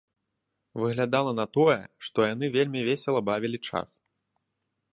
Выглядала на тое, што яны вельмі весела бавілі час.